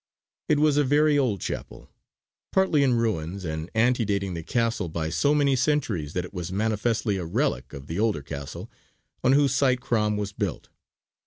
It was a very old chapel, partly in ruins and antedating the castle by so many centuries that it was manifestly a relic of the older castle on whose site Crom was built.